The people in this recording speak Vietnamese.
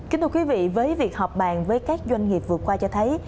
kính thưa quý vị với việc họp bàn với các doanh nghiệp vừa qua cho thấy